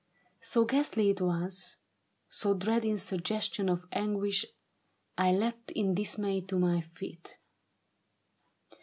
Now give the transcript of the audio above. So ghastly it was, So dread in suggestion of anguish, I leapt In dismay to my feet.